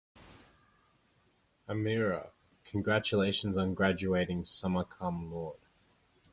"Amira, congratulations on graduating summa cum laude."